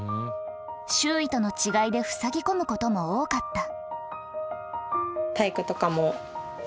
周囲との違いでふさぎ込むことも多かった。